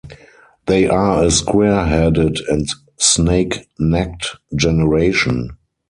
They are a square-headed and snake-necked generation.